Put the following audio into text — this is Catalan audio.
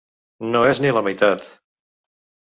No és ni la meitat.